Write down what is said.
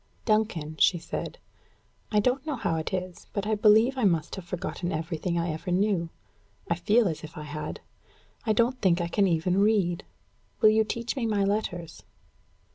"Duncan," she said, "I don't know how it is, but I believe I must have forgotten everything I ever knew. I feel as if I had. I don't think I can even read. Will you teach me my letters?"